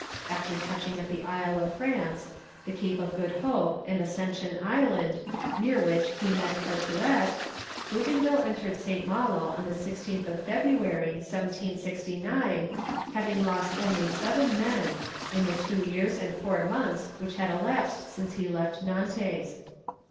After touching at the Isle of France, the Cape of Good Hope, and Ascension Island, near which he met Carteret, Bougainville entered St. Malo on the 16th of February, 1769, having lost only seven men, in the two years and four months which had elapsed since he left Nantes.